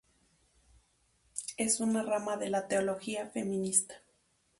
Es una rama de teología feminista.